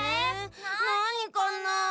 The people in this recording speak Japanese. なにかな？